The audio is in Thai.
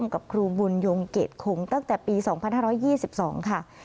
กับครูบุญยงเกดคงตั้งแต่ปีสองพันห้าร้อยยี่สิบสองค่ะ